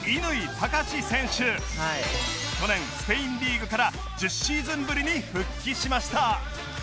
その去年スペインリーグから１０シーズンぶりに復帰しました